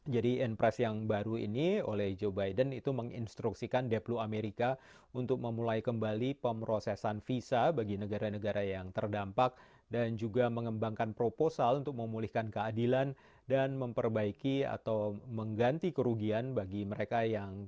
jadi in press yang baru ini oleh joe biden itu menginstruksikan deplo amerika untuk memulai kembali pemrosesan visa bagi negara negara yang terdampak dan juga mengembangkan proposal untuk memulihkan keadilan dan memperbaiki atau mengganti kerugian bagi mereka yang